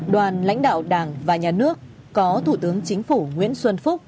đoàn lãnh đạo đảng và nhà nước có thủ tướng chính phủ nguyễn xuân phúc